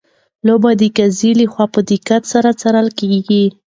لوبه د قاضي لخوا په دقت سره څارل کیږي.